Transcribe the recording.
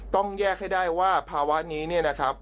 ต้องแยกให้ได้ว่าภาวะนี้เนี่ยนะครับ